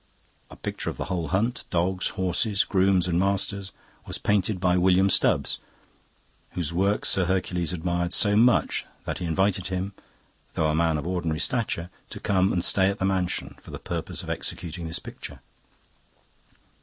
A picture of the whole hunt dogs, horses, grooms, and masters was painted by William Stubbs, whose work Sir Hercules admired so much that he invited him, though a man of ordinary stature, to come and stay at the mansion for the purpose of executing this picture.